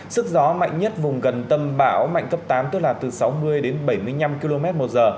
sức gió mạnh nhất vùng gần tâm bão mạnh cấp tám tức là từ sáu mươi đến bảy mươi năm km một giờ